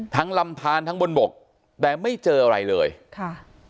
ลำทานทั้งบนบกแต่ไม่เจออะไรเลยค่ะ